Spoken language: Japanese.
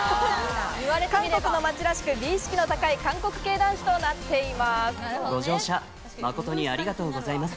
韓国の街らしく、美意識の高い韓国系男子となっています。